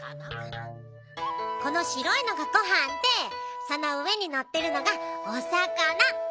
この白いのがごはんでその上にのってるのがおさかな。